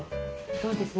そうですね。